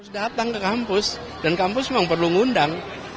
datang ke kampus dan kampus memang perlu ngundang